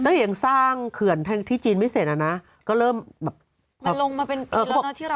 ตั้งแต่ยังสร้างเขื่อนที่จีนไม่เสร็จแล้วนะก็เริ่มแบบมันลงมาเป็นอีกแล้วนะที่เรา